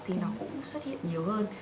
thì nó cũng xuất hiện nhiều hơn